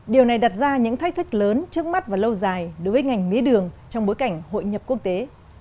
điều này đặt ra những thách thức lớn trước mắt và lâu dài đối với ngành mía đường trong bối cảnh hội nhập quốc tế